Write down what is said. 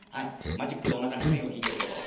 マジックでおなかに線を引いてるところ。